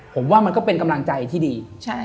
ผมว่ามันก็เป็นกำลังใจที่ดี